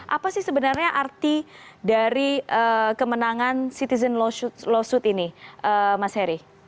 apa sih sebenarnya arti dari kemenangan citizen lawsuit ini mas heri